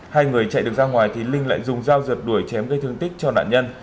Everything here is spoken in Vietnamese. hai người chạy được ra ngoài linh lại dùng dao rượt đuổi chém gây thương tích cho nạn nhân